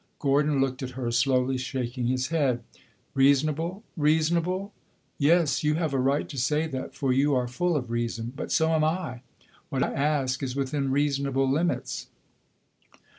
Gordon looked at her, slowly shaking his head. "Reasonable reasonable? Yes, you have a right to say that, for you are full of reason. But so am I. What I ask is within reasonable limits."